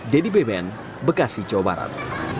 dedy beben bekasi jawa barat